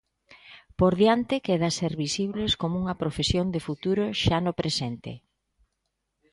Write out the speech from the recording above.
Por diante queda ser visibles como unha profesión de futuro xa no presente.